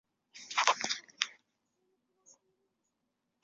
该队采用红黑相间横条队服。